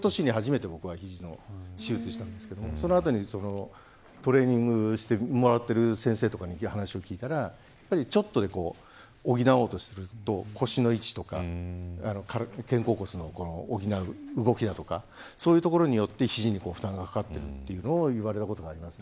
その年に初めて手術をしたんですけれどもそのときにトレーニングしてもらっている先生とかに話を聞いたらちょっと補おうとすると腰の位置とか肩甲骨の補う動きだとか、そういうところによって肘に負担がかかるというのを言われたことがあります。